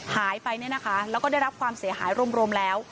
หายไปเนี่ยนะคะแล้วก็ได้รับความเสียหายรวมแล้ว